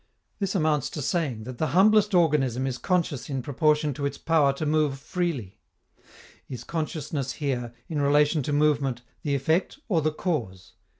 This amounts to saying that the humblest organism is conscious in proportion to its power to move freely. Is consciousness here, in relation to movement, the effect or the cause?